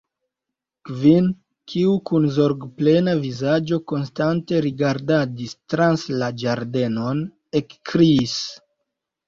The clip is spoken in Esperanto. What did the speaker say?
Kvin, kiu kun zorgplena vizaĝo konstante rigardadis trans la ĝardenon, ekkriis.